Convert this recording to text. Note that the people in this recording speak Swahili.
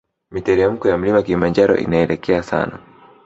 Miteremko ya mlima kilimanjaro inaelekea sana